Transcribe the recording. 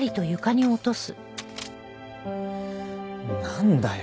なんだよ？